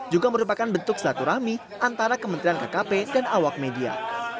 juga merupakan bentuk selaturahmi antara kementerian kkp dan awak media